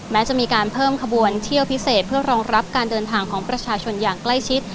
แม้จะมีการเพิ่มขบวนเที่ยวพิเศษเพื่อรองรับการเดินทางของประชาชนอย่างใกล้ชิด